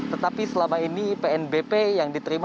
tetapi selama ini pnbp yang diterima